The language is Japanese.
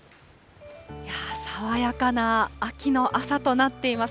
爽やかな秋の朝となっています。